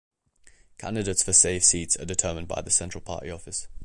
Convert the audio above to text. Candidates for safe seats are determined by the central party office.